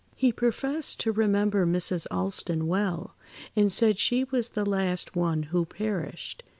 He professed to remember Mrs. Alston well, and said she was the last one who [Pg 73]perished.